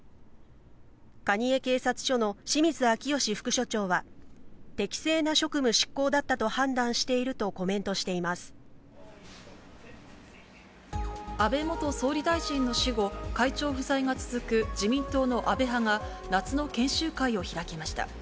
蟹江警察署の清水明義副署長は、適正な職務執行だったと判断して安倍元総理大臣の死後、会長不在が続く自民党の安倍派が、夏の研修会を開きました。